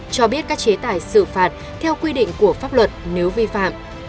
cho biết các chế tài xử phạt theo quy định của pháp luật nếu vi phạm